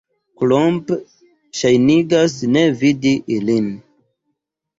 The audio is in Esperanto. Klomp ŝajnigas ne vidi ilin.